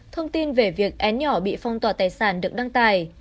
thông tin về việc én nhỏ bị phong tỏa tài sản được đăng tải